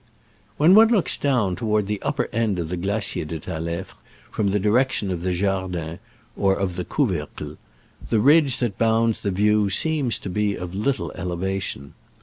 When one looks toward the upper end of the Glacier de Talefre from the direction of the Jardin or of the Couver cle, the ridge that bounds the view seems to be of little elevation.